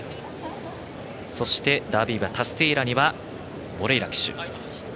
そして、ダービー馬タスティエーラにはモレイラ騎手。